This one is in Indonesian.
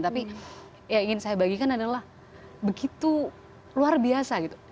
tapi yang ingin saya bagikan adalah begitu luar biasa gitu